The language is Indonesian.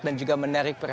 dan juga menarik